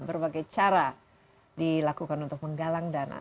berbagai cara dilakukan untuk menggalang dana